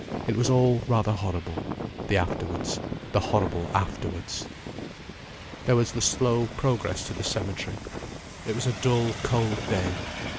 It was all rather horrible. The afterwards—the horrible afterwards. There was the slow progress to the cemetery. It was a dull, cold day.